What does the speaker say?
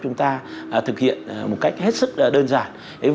chúng ta thực hiện một cách hết sức đơn giản